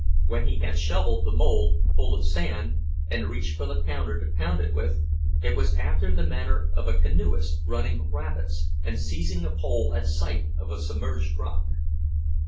When he had shoveled the mold full of sand, and reached for the pounder to pound it with, it was after the manner of a canoeist running rapids and seizing a pole at sight of a submerged rock.